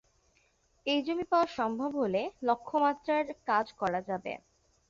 এই জমি পাওয়া সম্ভব হলে লক্ষ্যমাত্রার কাজ করা হবে।